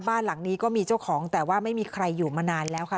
บ้านหลังนี้ก็มีเจ้าของแต่ว่าไม่มีใครอยู่มานานแล้วค่ะ